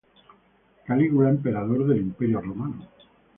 Calígula, emperador del Imperio Romano.